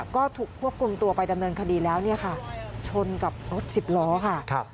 ก็ถูกควบคุมตัวไปดำเนินคดีแล้วชนกับรถ๑๐ล้อค่ะ